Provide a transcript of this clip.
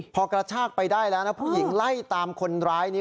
พอกระชากไปได้แล้วนะผู้หญิงไล่ตามคนร้ายนี้